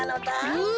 うん。